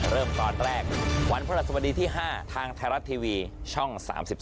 เริ่มตอนแรกวันพระราชบดีที่๕ทางไทยรัฐทีวีช่อง๓๒